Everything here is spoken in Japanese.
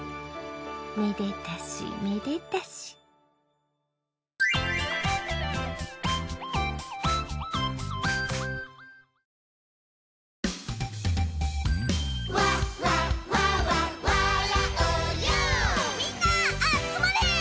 めでたしめでたしみんな集まれ！